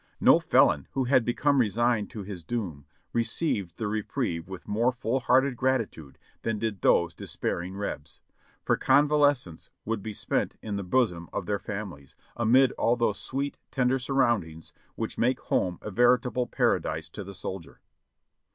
No felon who had become resigned to his doom received the reprieve with more full hearted gratitude than did those despairing Rebs, for convalescence would be spent in the bosom of their families, amid all those sweet, ten der surroundings which make home a veritable paradise to the soldier.